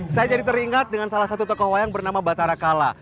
saya jadi teringat dengan salah satu tokoh wayang bernama batara kala